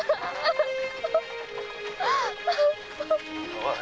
おい